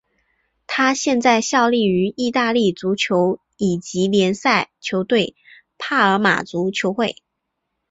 他现在效力于意大利足球乙级联赛球队帕尔马足球会。